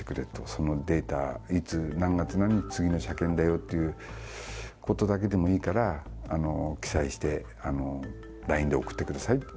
そのデータ、いつ、何月何日、次の車検だよっていうことだけでもいいから、記載してＬＩＮＥで送ってくださいって。